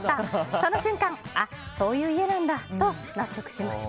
その瞬間あ、そういう家なんだと納得しました。